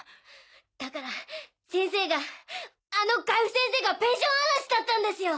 だから先生があの海部先生がペンション荒らしだったんですよ！